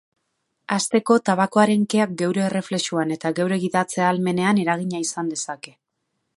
Hasteko, tabakoaren keak geure erreflexuan edo geure gidatze ahalmenean eragina izan dezake.